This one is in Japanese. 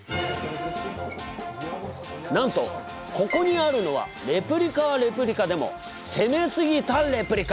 なんとここにあるのはレプリカはレプリカでも「攻めすぎたレプリカ」。